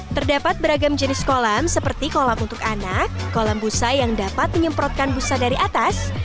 terdapat beragam jenis kolam seperti kolam untuk anak kolam busa yang dapat menyemprotkan busa dari atas